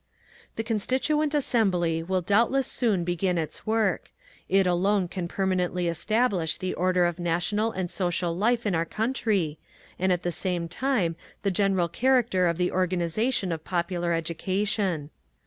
The Constituent Assembly will doubtless soon begin its work. It alone can permanently establish the order of national and social life in our country, and at the same time the general character of the organisation of popular education.